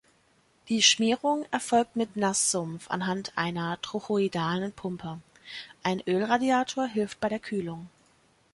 Die Schmierung erfolgt mit Naßsumpf anhand einer trochoidalen Pumpe; ein Ölradiator hilft bei der Kühlung.